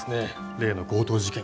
例の強盗事件。